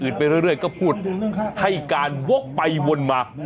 ไปเรื่อยก็พูดให้การวกไปวนมา